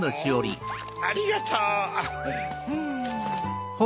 ありがとう。